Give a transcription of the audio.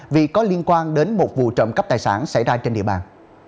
vì có liên quan đến một vụ trộm cắp tài sản xảy ra trên địa bàn